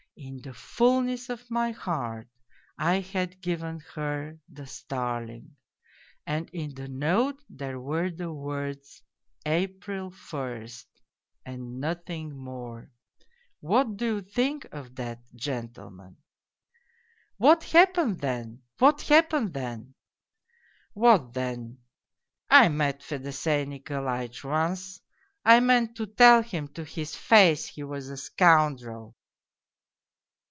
In the fullness of my heart I had given her the starling. And in the note there were the words :' April 1st,' and nothing more. What do you think of that, gentle men ?"' What happened then? What happened then? "" What then ! I met Fedosey Nikolaitch once, I meant to tell him to his face he was a scoundrel."